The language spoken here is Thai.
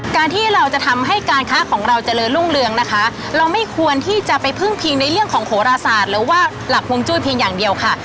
การที่เราจะทำให้การค้าของเราเจริญรุ่งเรืองนะคะเราไม่ควรที่จะไปพึ่งพิงในเรื่องของโหราศาสตร์หรือว่าหลักวงจุ้ยเพียงอย่างเดียวค่ะ